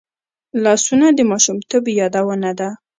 لاسونه د ماشومتوب یادونه ده